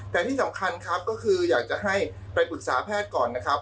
แต่ที่สำคัญครับก็คืออยากจะให้ไปปรึกษาแพทย์ก่อนนะครับ